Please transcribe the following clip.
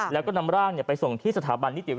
แล้วก็นำร่างไปส่งที่สถาบันนิติเวทย์โรงพยาบาลตำรวจแล้ว